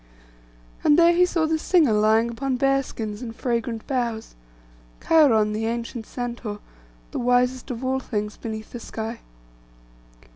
And there he saw the singer lying upon bear skins and fragrant boughs: Cheiron, the ancient centaur, the wisest of all things beneath the sky.